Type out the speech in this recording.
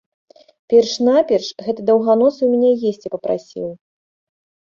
Перш-наперш гэты даўганосы ў мяне есці папрасіў.